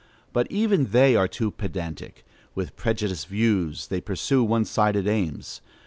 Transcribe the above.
But even they are too pedantic: with prejudiced views, they pursue one sided aims.